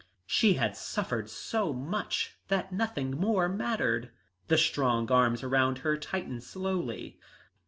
She had suffered so much that nothing more mattered. The strong arms around her tightened slowly.